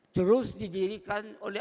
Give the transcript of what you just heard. terus didirikan oleh